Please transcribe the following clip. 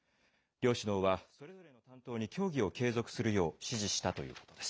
両首脳は、それぞれの担当に協議を継続するよう指示したということです。